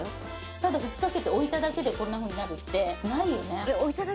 ただ吹きかけておいただけでこんなふうになるってないよね。